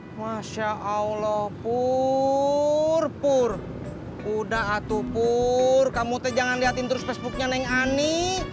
hai masya allah pur pur udah atuh pur kamu te jangan liatin terus facebooknya neng ani